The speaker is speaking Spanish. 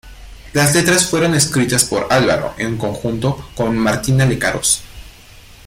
Las letras fueron escritas por Álvaro, en conjunto con Martina Lecaros.